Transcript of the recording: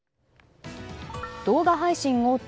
動画配信大手